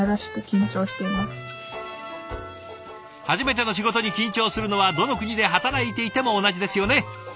初めての仕事に緊張するのはどの国で働いていても同じですよね。